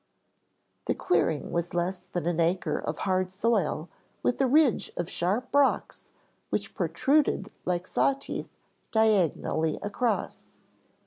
The clearing was less than an acre of hard soil with a ridge of sharp rocks which protruded like saw teeth diagonally across.